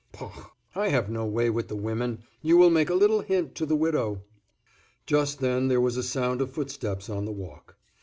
"Paufh! I have no way with the women, you will make a little hint to the widow." Just then there was a sound of footsteps on the walk.